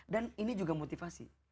dan ini juga motivasi